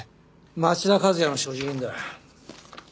町田和也の所持品だ。